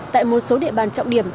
tại một số địa bàn trọng điểm